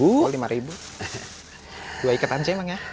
oh rp lima dua ikatan saja mang ya